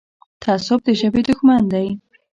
تعصب د ژبې دښمن دی.